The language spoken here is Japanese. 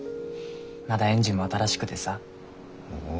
まだエンジンも新しくてさ。